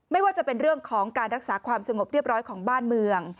ไม่ว่าจะเป็นเรื่องของการรักษาความสงบเรียบร้อยของบ้านเมือง